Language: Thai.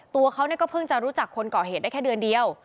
ตัวเขาก็เพิ่งจะรู้จักคนก่อเหตุได้แค่เดือนเดียว